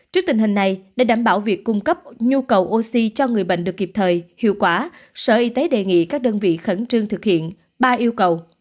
trước tình hình này để đảm bảo việc cung cấp nhu cầu oxy cho người bệnh được kịp thời hiệu quả sở y tế đề nghị các đơn vị khẩn trương thực hiện ba yêu cầu